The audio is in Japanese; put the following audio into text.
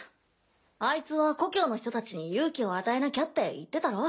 アイツは故郷の人たちに勇気を与えなきゃって言ってたろ。